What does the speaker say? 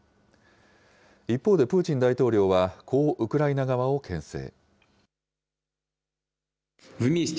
一方で、プーチン大統領はこうウクライナ側をけん制。